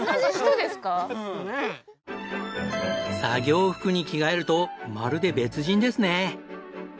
作業服に着替えるとまるで別人ですね！